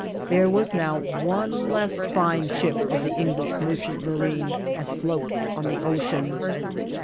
There was now one less fine ship of the English merchant marine afloat on the ocean!